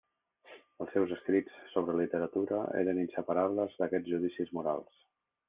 Els seus escrits sobre literatura eren inseparables d'aquests judicis morals.